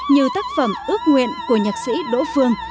như tác phẩm ước nguyện của nhạc sĩ đỗ phương